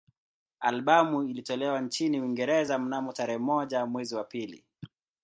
Albamu ilitolewa nchini Uingereza mnamo tarehe moja mwezi wa pili